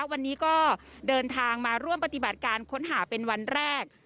วันนี้ก็เดินทางมาร่วมปฏิบัติการค้นหาเป็นวันแรก